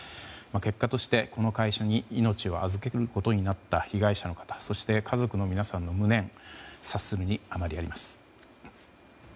結果として、この会社に命を預けることになった被害者の方そして家族の皆さんの無念察するに余りあります。